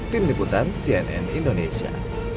tim nikutan cnn indonesia